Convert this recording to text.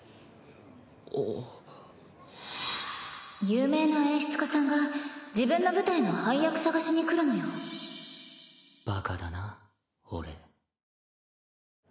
有名な演出家さんが自分の舞台の配役探しに来るのよはっ！